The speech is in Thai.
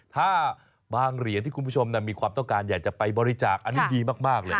ถ้าบางเหรียญที่คุณผู้ชมมีความต้องการอยากจะไปบริจาคอันนี้ดีมากเลย